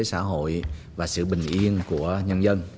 đối với xã hội và sự bình yên của nhân dân